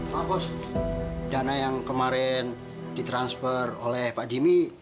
pak bos dana yang kemarin ditransfer oleh pak jimmy